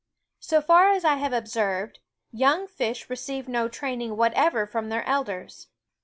So far as I have observed, young fish receive no teaching whatever from their elders.